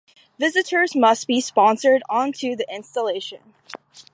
Visitors must be sponsored onto the installation.